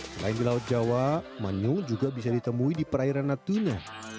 selain di laut jawa manyung juga bisa ditemui di perairan natuna